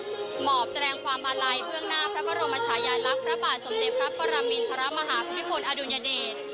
หมอบแสดงความอาลัยเบื้องหน้าพระบรมชายาลักษณ์พระบาทสมเด็จพระปรมินทรมาฮาภูมิพลอดุลยเดช